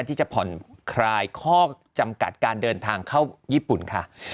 ที่จะผ่อนคลายข้อจำกัดการเดินทางเข้าญี่ปุ่นค่ะ